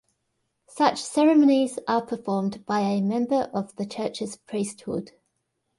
Such ceremonies are performed by a member of the church's priesthood.